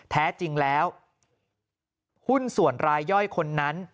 แท้จริงแล้วหุ้นส่วนรายย่อยคนนั้น